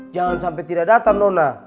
jangan sampai tidak datang nona